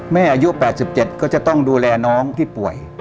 แม่อายุ๘๗ก็จะดูแลน้องที่ป่วย